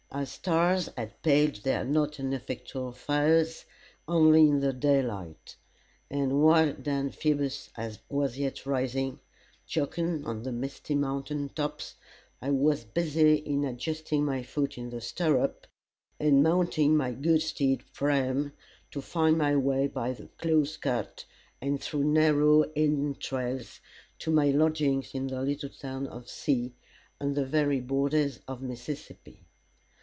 Our stars had paled their not ineffectual fires, only in the daylight; and while Dan Phoebus was yet rising, "jocund on the misty mountain tops," I was busy in adjusting my foot in the stirrup and mounting my good steed Priam, to find my way by a close cut, and through narrow Indian trails, to my lodgings in the little town of C , on the very borders of Mississippi.